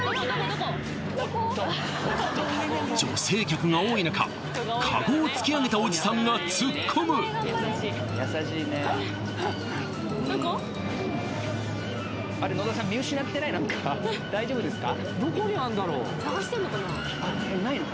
女性客が多い中カゴを突き上げたおじさんが突っ込むどれですか？